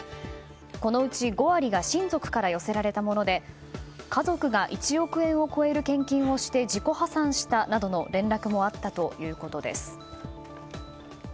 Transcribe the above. このうち、５割が親族から寄せられたもので家族が１億円を超える献金をして自己破産をしたなどの連絡もあったということです。